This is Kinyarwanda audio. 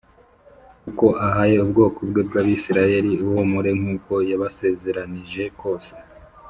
kuko ahaye ubwoko bwe bw’Abisirayeli ihumure nk’uko yabasezeranije kose